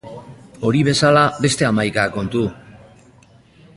Hori bezala beste hamaika kontu.